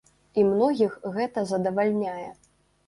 І многіх гэта задавальняе.